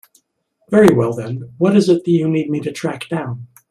Very well then, what is it that you need me to track down?